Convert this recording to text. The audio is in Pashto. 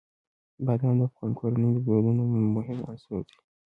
بادام د افغان کورنیو د دودونو مهم عنصر دی.